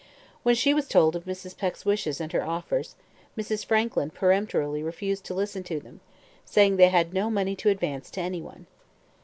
When she was told of Mrs. Peck's wishes and her offers, Mrs. Frankland peremptorily refused to listen to them, saying they had no money to advance to any one.